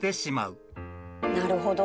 なるほど。